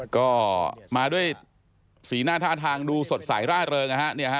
ก็มาด้วยสีหน้าท่าทางดูสดใสร่าเริงนะฮะ